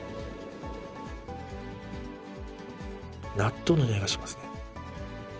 納豆のにおいがしますね。